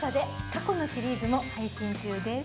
過去のシリーズも配信中です。